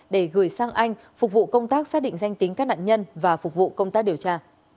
để gửi sang anh phục vụ công tác xác định danh tính các nạn nhân và phục vụ công tác điều tra